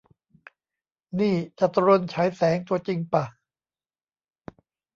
นี่ จาตุรนต์ ฉายแสง ตัวจริงป่ะ ?